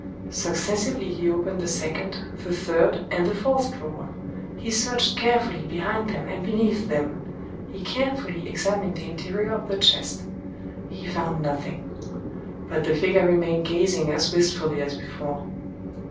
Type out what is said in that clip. Successively he opened the second, the third, and the fourth drawer;—he searched carefully behind them and beneath them;—he carefully examined the interior of the chest. He found nothing. But the figure remained gazing as wistfully as before.